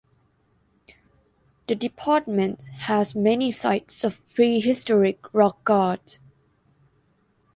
The department has many sites of prehistoric rock art.